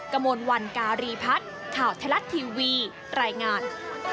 กระมวลวันการีพัฒน์ข่าวไทยรัฐทีวีรายงาน